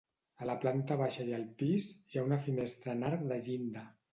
A la planta baixa i al pis, hi ha una finestra en arc de llinda.